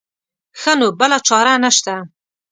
ښه نو بله چاره نه شته.